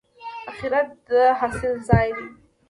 اخرت د حاصل ځای دی